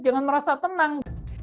jangan merasa tenang